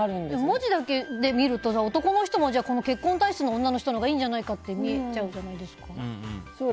文字だけで見ると、男の人も結婚体質の女の人のほうがいいんじゃないかって見えちゃうじゃないですか。